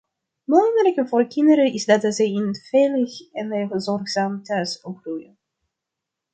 Belangrijk voor kinderen is dat ze in een veilig en zorgzaam thuis opgroeien.